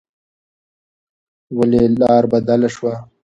ولې لار بدله شوه؟